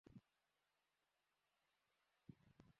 পুরো কাফেলাটি গ্রেফতার করতে তাদেরকে এক জায়গায় ঘিরে ফেলা হয়।